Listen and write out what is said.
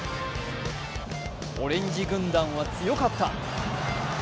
オレンジ軍団は強かった。